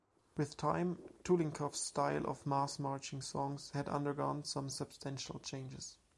With time, Tulikov's style of mass-marching songs had undergone some substantial changes.